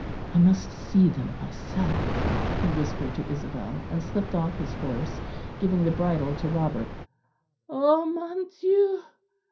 "I must see them myself," he whispered to Isabel; and slipped off his horse, giving the bridle to Robert. "Oh! mon Dieu!"